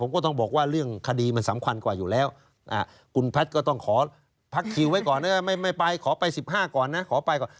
คุณแพทย์ก็ต้องขอพักคิวไว้ก่อนไม่ไปขอไป๑๕ก่อนนะขอไปก่อน